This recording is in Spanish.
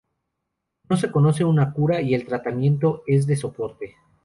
No se conoce una cura y el tratamiento es de soporte.